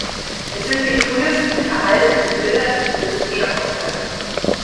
Es sind die frühesten erhaltenen Bilder hinduistischer Gottheiten.